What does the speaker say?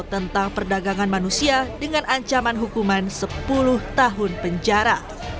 tentang perdagangan manusia dengan ancaman hukuman sepuluh tahun penjara